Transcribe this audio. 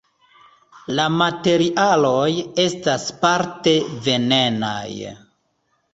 La materialoj estas parte venenaj.